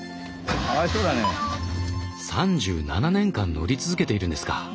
３７年間乗り続けているんですか！